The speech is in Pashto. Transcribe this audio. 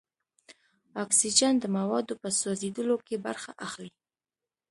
اکسیجن د موادو په سوځیدلو کې برخه اخلي.